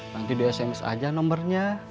nanti di sms aja nomornya